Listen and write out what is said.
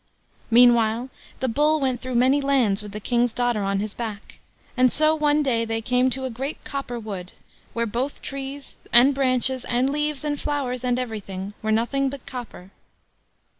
Meanwhile, the Bull went through many lands with the King's daughter on his back, and so one day they came to a great copper wood, where both the trees, and branches, and leaves, and flowers, and everything, were nothing but copper.